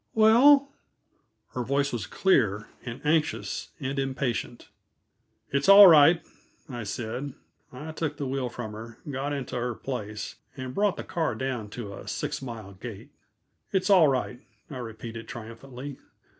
"Well?" her voice was clear, and anxious, and impatient. "It's all right," I said. I took the wheel from her, got into her place, and brought the car down to a six mile gait. "It's all right," I repeated triumphantly.